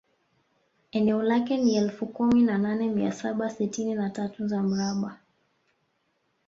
Eneo lake ni elfu kumi na nne mia saba sitini na tatu za mraba